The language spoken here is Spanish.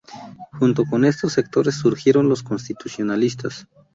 Junto con estos sectores surgieron los constitucionalistas.